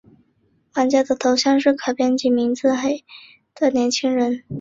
玩家的头像是可编辑名字的褐肤黑发的年轻人。